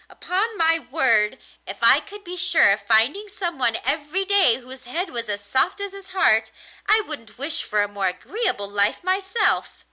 Upon my word, if I could be sure of finding some one every day whose head was as soft as his heart, I wouldn't wish for a more agreeable life myself!